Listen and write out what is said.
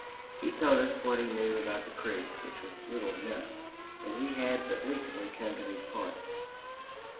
He told us what he knew about the creek, which was little enough, as he had but recently come to these parts.